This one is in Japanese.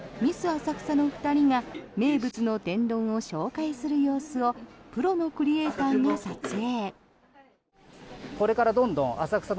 浅草の２人が名物の天丼を紹介する様子をプロのクリエーターが撮影。